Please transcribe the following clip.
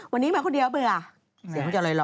วันนี้มาคนเดียวเบื่อเสียงเขาจะลอย